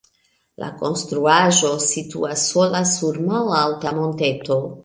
La konstruaĵo situas sola sur malalta monteto.